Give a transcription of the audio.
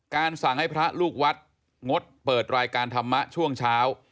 สั่งให้พระลูกวัดงดเปิดรายการธรรมะช่วงเช้า